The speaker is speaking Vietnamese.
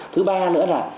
thứ ba nữa là